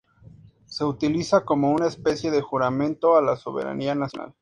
Se utiliza como una especie de juramento a la soberanía nacional.